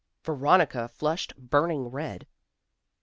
Veronica flushed burning red.